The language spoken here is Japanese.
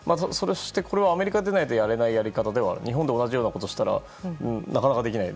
これはアメリカではないとやれないやり方で日本で同じようなことはなかなかできない。